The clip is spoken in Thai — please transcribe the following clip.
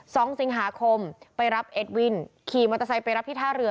สองสิงหาคมไปรับเอ็ดวินขี่มอเตอร์ไซค์ไปรับที่ท่าเรือ